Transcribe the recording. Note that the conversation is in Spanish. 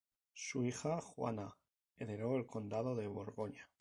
Su hija Juana heredó el Condado de Borgoña.